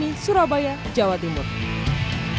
kita harus main lebih banyak bola